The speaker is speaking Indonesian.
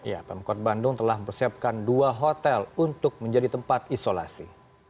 ya pemkot bandung telah mempersiapkan dua hotel untuk menjadi tempat isolasi